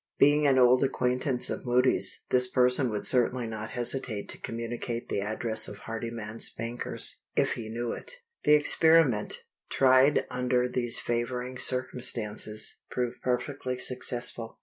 Being an old acquaintance of Moody's, this person would certainly not hesitate to communicate the address of Hardyman's bankers, if he knew it. The experiment, tried under these favoring circumstances, proved perfectly successful.